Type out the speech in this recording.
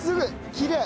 きれい。